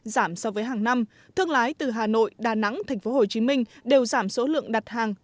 giảm so với hàng năm thương lái từ hà nội đà nẵng tp hcm đều giảm số lượng đặt hàng